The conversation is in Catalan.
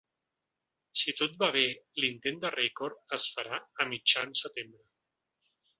Si tot va bé, l’intent de rècord es farà a mitjan setembre.